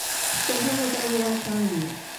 董太后在位二十二年。